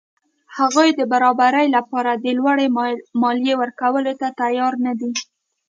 هغوی د برابرۍ له پاره د لوړې مالیې ورکولو ته تیار نه دي.